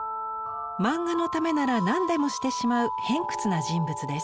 漫画のためなら何でもしてしまう偏屈な人物です。